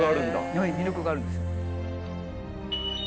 はい魅力があるんです。